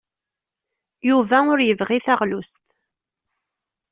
Yuba ur yebɣi taɣlust.